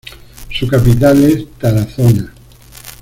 Su capital es Tarazona.